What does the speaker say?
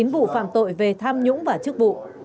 chín vụ phạm tội về tham nhũng và chức vụ